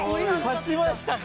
勝ちましたか！